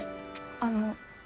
あの。